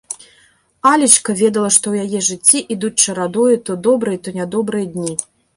Алечка ведала, што ў яе жыцці ідуць чарадою то добрыя, то нядобрыя дні.